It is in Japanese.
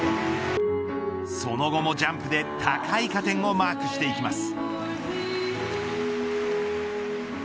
その後もジャンプで高い加点をマークしていきます。